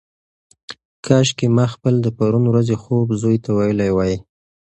کاشکي ما خپل د پرون ورځې خوب زوی ته ویلی وای.